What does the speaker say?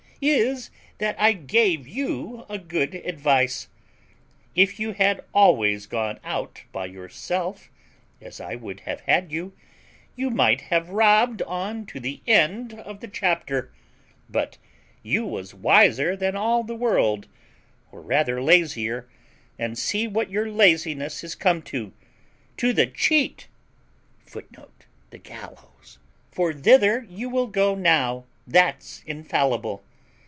] is, that I gave you a good advice. If you had always gone out by yourself, as I would have had you, you might have robbed on to the end of the chapter; but you was wiser than all the world, or rather lazier, and see what your laziness is come to to the CHEAT, [Footnote: The gallows.] for thither you will go now, that's infallible.